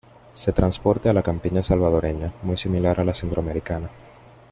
Se transporte a la campiña salvadoreña, muy similar a la centroamericana.